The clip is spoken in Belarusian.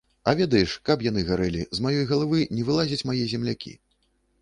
А ведаеш, каб яны гарэлі, з маёй галавы не вылазяць мае землякі.